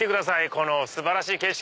この素晴らしい景色。